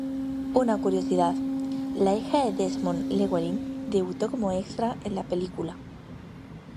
Una curiosidad: la hija de Desmond Llewelyn debutó como extra en la película.